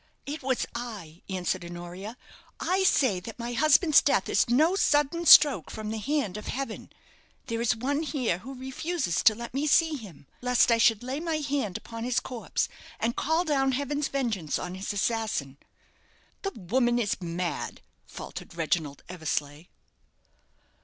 "It was I," answered Honoria. "I say that my husband's death is no sudden stroke from the hand of heaven! There is one here who refuses to let me see him, lest I should lay my hand upon his corpse and call down heaven's vengeance on his assassin!" "The woman is mad," faltered Reginald Eversleigh.